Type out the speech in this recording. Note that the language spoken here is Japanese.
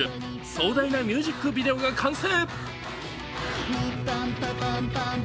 壮大なミュージックビデオが完成。